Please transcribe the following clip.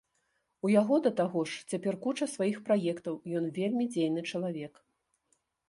У яго, да таго ж, цяпер куча сваіх праектаў, ён вельмі дзейны чалавек.